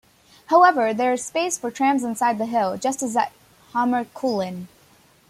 However, there is space for trams inside the hill, just as at Hammarkullen.